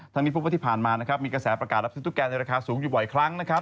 ทั้งนี้พูดว่าที่ผ่านมามีกระแสประกาศรับซื้อตุ๊กแกนในราคาสูงอยู่บ่อยครั้ง